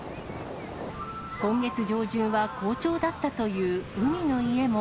今月上旬は好調だったという海の家も。